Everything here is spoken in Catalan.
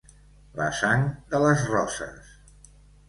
La sang de les roses.